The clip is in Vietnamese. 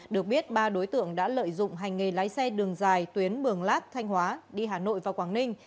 được biết ba đối tượng đã lợi dụng hành nghề lái xe đường dài tuyến mường lát thanh hóa đi hà nội và quảng ninh